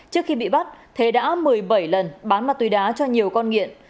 trước khi bị bắt thế đã một mươi bảy lần bán ma túy đá cho nhiều con nghiện